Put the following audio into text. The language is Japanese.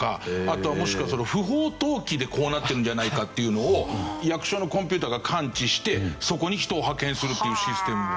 もしくは不法投棄でこうなってるんじゃないかっていうのを役所のコンピューターが感知してそこに人を派遣するっていうシステムを作ってるっていう。